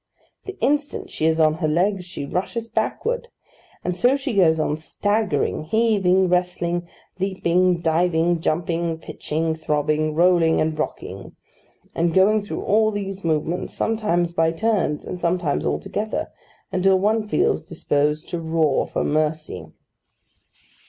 The instant she is on her legs, she rushes backward. And so she goes on staggering, heaving, wrestling, leaping, diving, jumping, pitching, throbbing, rolling, and rocking: and going through all these movements, sometimes by turns, and sometimes altogether: until one feels disposed to roar for mercy.